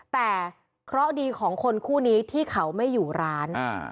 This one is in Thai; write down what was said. แต่เคราะห์ดีของคนคู่นี้ที่เขาไม่อยู่ร้าน